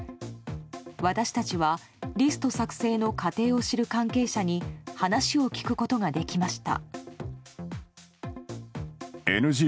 私たちはリスト作成の過程を知る関係者に話を聞くことができました。